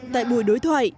tại buổi đối thoại